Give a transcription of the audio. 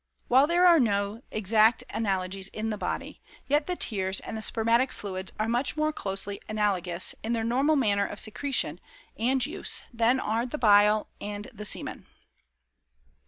While there are no exact analogies in the body, yet the tears and the spermatic fluids are much more closely analogous in their normal manner of secretion and use than are the bile and the semen.